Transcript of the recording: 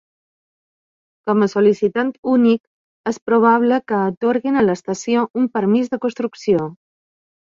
Com a sol·licitant únic, és probable que atorguin a l'estació un permís de construcció.